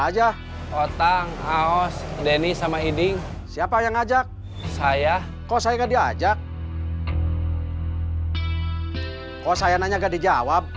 aja otak aos deni sama iding siapa yang ngajak saya kok saya diajak kok saya nanya nggak dijawab